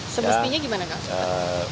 sebestinya gimana pak